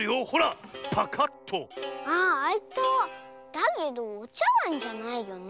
だけどおちゃわんじゃないよね。